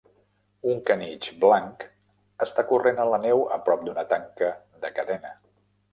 Un canitx blanc està corrent a la neu a prop d'una tanca de cadena.